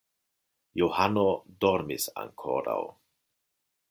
Johano dormis ankoraŭ.